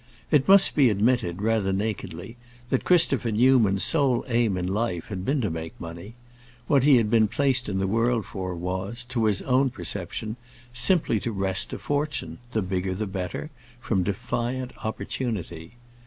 It must be admitted, rather nakedly, that Christopher Newman's sole aim in life had been to make money; what he had been placed in the world for was, to his own perception, simply to wrest a fortune, the bigger the better, from defiant opportunity.